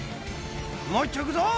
もういっちょ行くぞ！